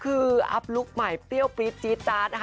คืออัพลุคใหม่เปรี้ยวปรี๊ดจี๊ดจาดนะคะ